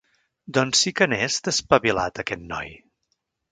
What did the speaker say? Doncs sí que n'és, d'espavilat, aquest noi.